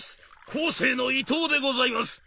コーセーの伊藤でございます」。